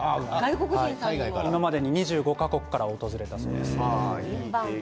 今までに２５か国から訪れたそうです。